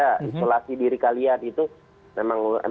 isolasi diri kalian itu